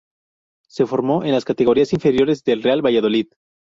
Se formó en las categorías inferiores del Real Valladolid.